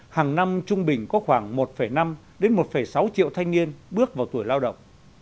hàng năm trung bình có khoảng một năm đến một sáu triệu thanh niên bước vào tuổi lao động